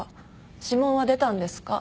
指紋は出たんですか？